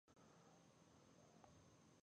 ایا زه اوس واده کولی شم؟